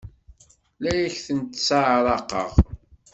La ak-tent-sseɛraqeɣ?